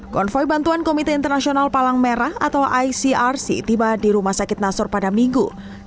konvoy bantuan komite internasional palang merah atau icrc tiba di rumah sakit nasor pada minggu